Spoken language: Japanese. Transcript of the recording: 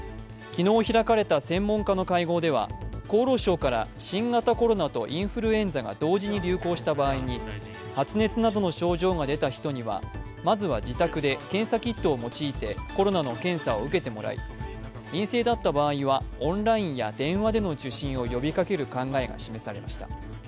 昨日開かれた専門家の会合では、厚労省から新型コロナとインフルエンザが同時に流行した場合に発熱などの症状が出た人にはまずは自宅で検査キットを用いてコロナの検査を受けてもらい、陰性だった場合はオンラインや電話での受診を呼びかける考えが示されました。